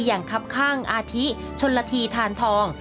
อย่างครับข้างอาทิชนละทีทานทอง